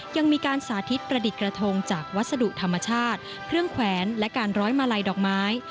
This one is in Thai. ยังมีการสาธิตประดิษฐ์กระทงจากวัสดุธรรมชาติเครื่องแขวนและการร้อยมาลัยดอกไม้